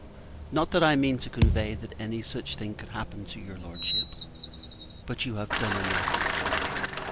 Not that I mean to convey, that any such thing could happen to your Lordship; but, you have done enough.